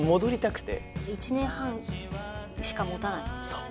そう。